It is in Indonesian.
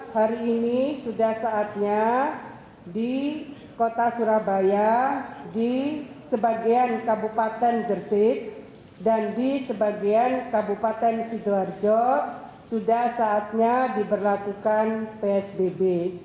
hari ini sudah saatnya di kota surabaya di sebagian kabupaten gersik dan di sebagian kabupaten sidoarjo sudah saatnya diberlakukan psbb